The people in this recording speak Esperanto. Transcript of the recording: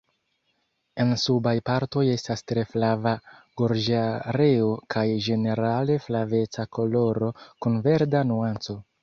En subaj partoj estas tre flava gorĝareo kaj ĝenerale flaveca koloro kun verda nuanco.